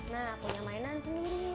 nah punya mainan sendiri